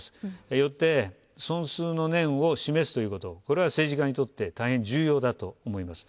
よって、尊崇の念を示すということこれは政治家にとって大変重要だと思います。